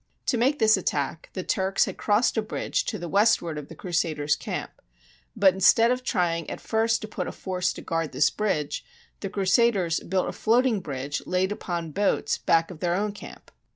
To make this attack, the Turks had crossed a bridge to the west ward of the Crusaders' camp, but instead of trying at first to put a force to guard this bridge, the Cru saders built a floating bridge laid upon boats back of their own camp.